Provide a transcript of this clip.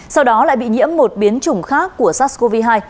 sau đó lại bị nhiễm một biến chủng khác của sars cov hai